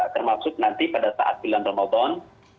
termasuk nanti pada saat bulan ramadan